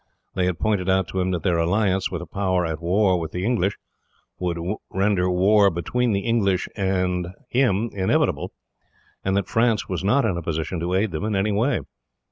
They had pointed out to him that their alliance, with a power at war with the English, would render war between the English and him inevitable; and that France was not in a position to aid them in any way.